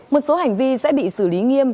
một số hành vi sẽ bị xử lý nghiêm